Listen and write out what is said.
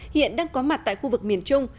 hiện đang có mặt tại khu vực miền trung